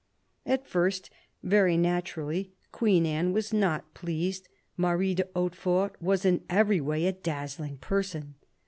At first, very naturally. Queen Anne was not pleased. Marie de Hautefort was in every way a dazzling person.